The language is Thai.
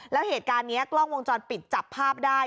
แล้วเหตุการณ์นี้กล้องวงจรปิดจับภาพได้